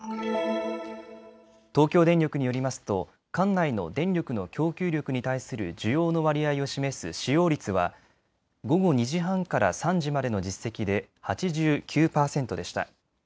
東京電力によりますと管内の電力の供給力に対する需要の割合を示す使用率は午後２時半から３時までの実績で８９％でした。